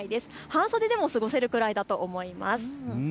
半袖でも過ごせるくらいだと思います。